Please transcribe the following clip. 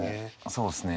そうですね。